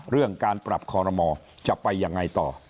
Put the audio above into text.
เรื่องการปรับคอรมอจะไปยังไงต่อ